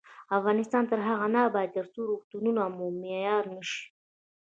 افغانستان تر هغو نه ابادیږي، ترڅو روغتونونه مو معیاري نشي.